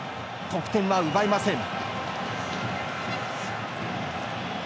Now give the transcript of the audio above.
得点は奪えません。